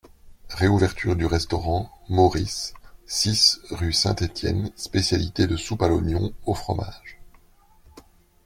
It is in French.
Réouverture du Restaurant Maurice, six, rue St-Etienne, spécialité de soupe à l'oignon, au fromage.